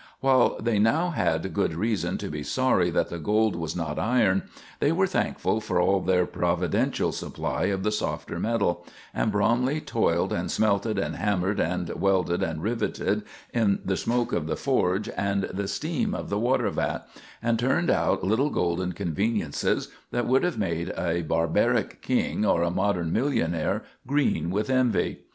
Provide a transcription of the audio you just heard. ] While they now had good reason to be sorry that the gold was not iron, they were thankful for their providential supply of the softer metal, and Bromley toiled and smelted and hammered and welded and riveted, in the smoke of the forge and the steam of the water vat, and turned out little golden conveniences that would have made a barbaric king or a modern millionaire green with envy.